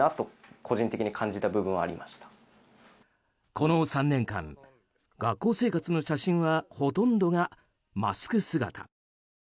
この３年間、学校生活の写真はほとんどがマスク姿。